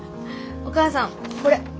お母さんこれ。